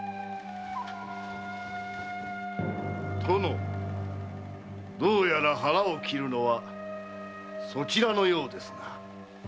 殿どうやら腹を切るのはそちらのようですな。